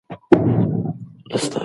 ولې لار بدله شوه؟